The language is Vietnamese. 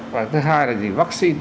và thứ hai là gì vaccine